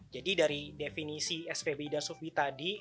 jadi dari definisi svbi dan sufbi tadi